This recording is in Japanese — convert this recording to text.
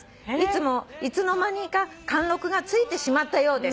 「いつの間にか貫禄がついてしまったようです」